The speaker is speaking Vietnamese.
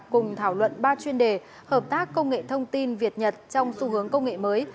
cùng thảo luận ba chuyên đề hợp tác công nghệ thông tin việt nhật trong xu hướng công nghệ mới